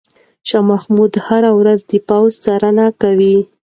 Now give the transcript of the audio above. شاه محمود هره ورځ د پوځ څارنه کوي.